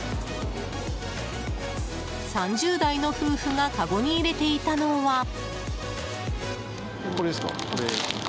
３０代の夫婦がかごに入れていたのは。